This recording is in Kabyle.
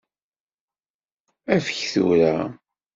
Afeg tura.